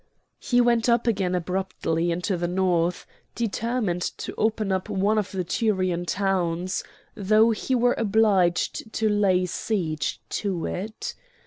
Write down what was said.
He went up again abruptly into the North, determined to open up one of the Tyrian towns, though he were obliged to lay siege to it.